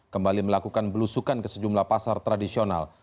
kembali melakukan belusukan ke sejumlah pasar tradisional